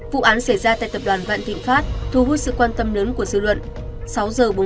vụ án xảy ra tại tập đoàn vạn thịnh pháp thu hút sự quan tâm lớn của dư luận